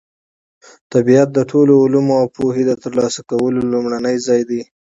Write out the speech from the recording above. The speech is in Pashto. طبیعت د ټولو علومو او پوهې د ترلاسه کولو لومړنی ځای دی.